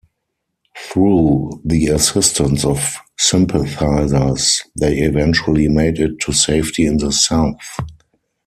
Through the assistance of sympathizers, they eventually made it to safety in the South.